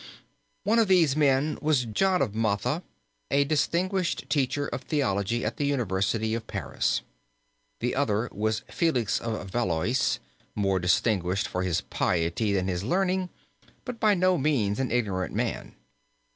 One of these men was John of Matha, a distinguished teacher of Theology at the University of Paris. The other was Felix of Valois, more distinguished for his piety than his learning, but by no means an ignorant man.